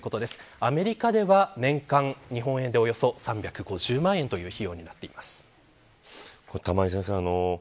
アメリカでは年間、日本円でおよそ３５０万円という費用に玉井先生